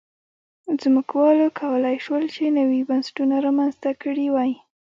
ځمکوالو کولای شول چې نوي بنسټونه رامنځته کړي وای.